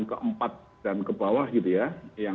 keempat dan kebawah gitu ya